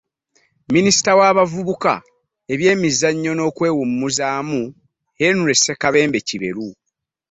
Minisita w'abavubuka, ebyemizannyo n'okwewummuzaamu, Henry Ssekabembe Kiberu